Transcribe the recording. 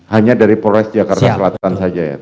hanya dari polres jakarta selatan saja ya